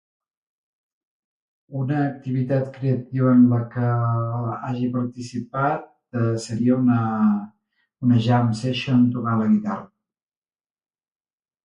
Una activitat creativa en la que hagi participat seria una... una jam session tocant la guitarra.